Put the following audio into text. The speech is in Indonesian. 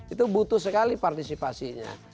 itu butuh sekali partisipasinya